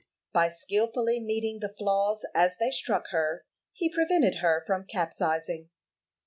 By skilfully meeting the flaws as they struck her, he prevented her from capsizing.